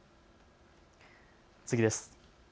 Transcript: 次です。